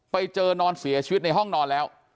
ไปเจอนอนเสียชีวิตในห้องนอนแล้ว